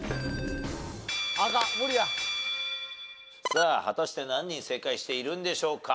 さあ果たして何人正解しているんでしょうか？